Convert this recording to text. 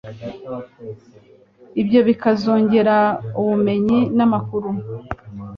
Ibyo bikazongera ubumenyi n'amakuru